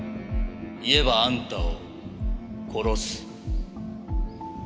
言えばあんたを殺す。